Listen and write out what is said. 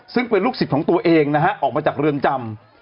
ซึ่งเป็นลูกศิษย์ของตัวเองนะฮะออกมาจากเรือนจำ